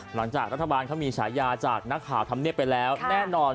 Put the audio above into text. หลังจากรัฐบาลเขามีฉายาจากนักข่าวธรรมเนียบไปแล้วแน่นอน